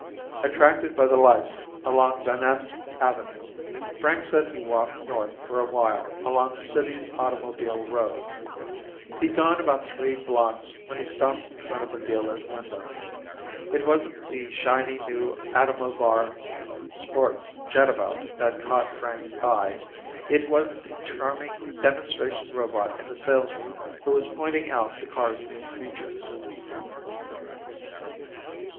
Attracted by the lights along Van Ness Avenue, Frank said he walked north for a while along the city's automobile row. He'd gone about three blocks when he stopped in front of a dealer's window. It wasn't the shiny new Atomovair sports jetabout that caught Frank's eye, it was the charming demonstration robot in the sales room who was pointing out the car's new features.